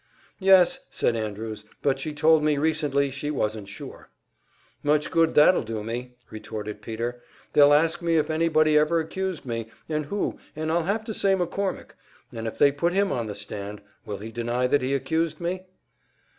"Yes," said Andrews, "but she told me recently she wasn't sure." "Much good that'll do me!" retorted Peter. "They'll ask me if anybody ever accused me, and who, and I'll have to say McCormick, and if they put him on the stand, will he deny that he accused me?"